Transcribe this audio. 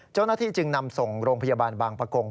เจ้าหน้าที่จึงนำส่งโรงพยาบาลบางประกง